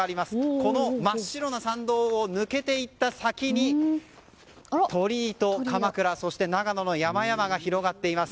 この真っ白な参道を抜けていった先に鳥居とかまくら長野の山々が広がっています。